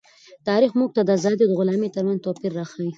تاریخ موږ ته د آزادۍ او غلامۍ ترمنځ توپیر راښيي.